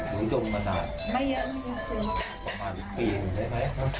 ตอนนี้หนู๑๑ตัวหนูดมกันแต่๙ตัว